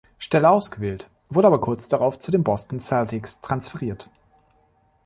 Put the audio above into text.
Stelle ausgewählt, wurde aber kurz darauf zu den Boston Celtics transferiert.